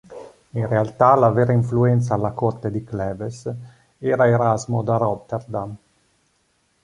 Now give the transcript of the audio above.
In realtà la vera influenza alla corte di Cleves era Erasmo da Rotterdam.